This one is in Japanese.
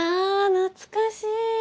懐かしい！